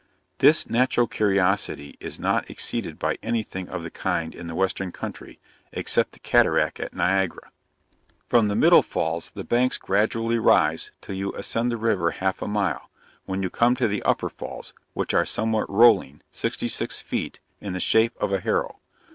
This natural curiosity is not exceeded by any thing of the kind in the western country, except the cataract at Niagara. From the middle falls the banks gradually rise, till you ascend the river half a mile, when you come to the upper falls, which are somewhat rolling, 66 feet, in the shape of a harrow.